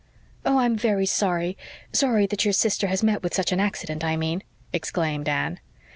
"Oh, I'm very sorry sorry that your sister has met with such an accident, I mean," exclaimed Anne.